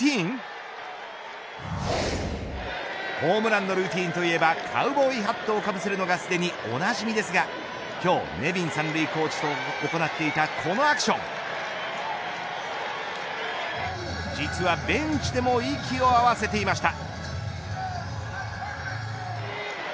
ホームランのルーティンといえばカウボーイハットをかぶせるのがすでにおなじみですが今日、ネビン３塁コーチと行っていたこのアクション実はベンチでも息を合わせていました。